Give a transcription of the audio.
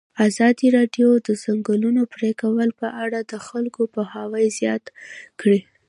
ازادي راډیو د د ځنګلونو پرېکول په اړه د خلکو پوهاوی زیات کړی.